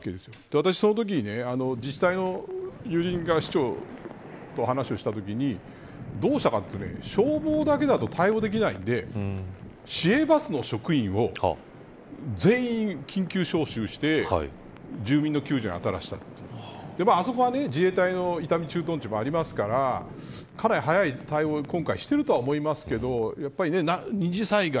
私そのときに、自治体の友人とか首長と話をしたときにどうしたかというと消防だけだと対応できないんで市営バスの職員を全員緊急招集して住民の救助に当たらせたというあそこは自衛隊の伊丹駐屯地もありますからかなり早い対応を今回しているとは思いますけどやっぱり２次災害